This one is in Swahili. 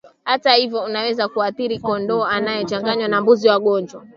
Hata hivyo unaweza kuathiri kondoo wanaochanganywa na mbuzi wagonjwa